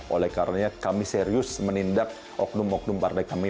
oleh karena kami serius menindak oknum oknum partai kami